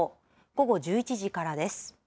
午後１１時からです。